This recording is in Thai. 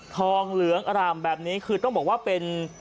เหลืองอร่ามแบบนี้คือต้องบอกว่าเป็น